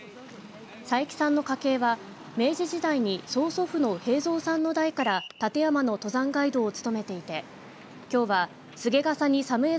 佐伯さんの家系は明治時代に曽祖父の平蔵さんの代から立山の登山ガイドを務めていてきょうはすげがさにさむえ